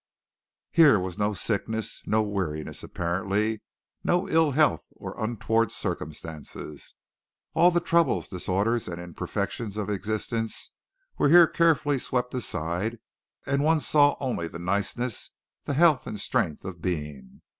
Here was no sickness, no weariness apparently, no ill health or untoward circumstances. All the troubles, disorders and imperfections of existence were here carefully swept aside and one saw only the niceness, the health and strength of being.